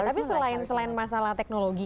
tapi selain masalah teknologi